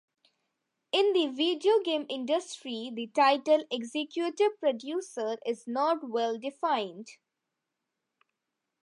In the video game industry, the title "executive producer" is not well-defined.